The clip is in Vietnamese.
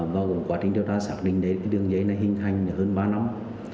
mình thấy đường dây này hình thành hơn ba năm